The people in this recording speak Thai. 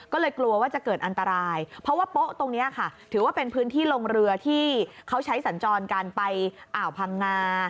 ก็เลยกลัวว่าจะเกิดอันตรายเพราะว่าโป๊ะตรงนี้ค่ะถือว่าเป็นพื้นที่ลงเรือที่เขาใช้สัญจรกันไปอ่าวพังงา